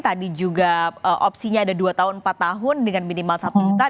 tadi juga opsinya ada dua tahun empat tahun dengan minimal satu juta